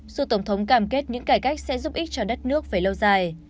dù tổng thống cam kết những cải cách sẽ giúp ích cho đất nước về lâu dài